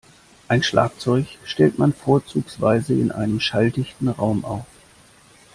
Ein Schlagzeug stellt man vorzugsweise in einem schalldichten Raum auf.